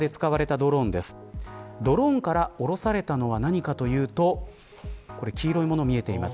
ドローンから降ろされたのは何かというと黄色いものが見えています。